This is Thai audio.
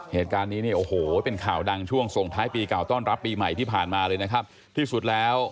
เหตุการณ์นี้เนี่ยโอ้โหเป็นข่าวดังช่วงส่งท้ายปีเก่าต้อนรับปีใหม่ที่ผ่านมาเลยนะครับที่สุดแล้ว